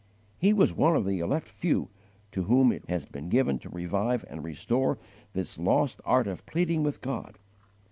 He was one of the elect few to whom it has been given to revive and restore this lost art of pleading with God.